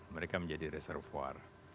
mereka menjadi reservoir